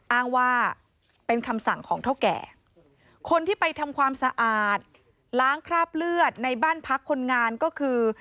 อ้างว่าเป็นคำสั่งของเท่าแก่คนที่ไปทำความสะอาดล้างคราบเลือดในบ้านพักคนงานก็คือ